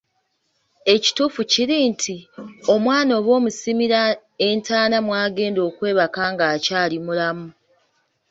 Ekituufu kiri nti, omwana oba omusimira entaana mwagenda okwebaaka ng'akyali mulamu.